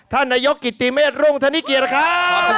และยกกิตตีเมตรลงทะนิเกียร์นะครับ